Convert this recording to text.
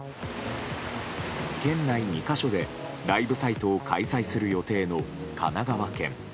県内２か所でライブサイトを開催する予定の神奈川県。